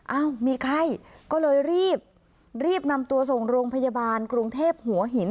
เอ้ามีไข้ก็เลยรีบรีบนำตัวส่งโรงพยาบาลกรุงเทพหัวหิน